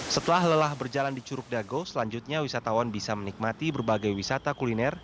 setelah lelah berjalan di curug dago selanjutnya wisatawan bisa menikmati berbagai wisata kuliner